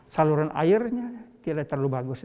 saluran airnya tidak terlalu bagus